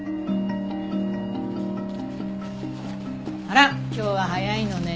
あら今日は早いのね。